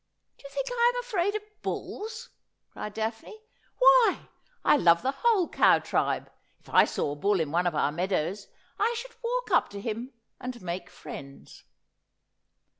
' Do you think I am afraid of bulls ?' cried Daphne ;' why I love the whole cow tribe. If I saw a bull in one of our meadows, I should walk up to him and make friends.'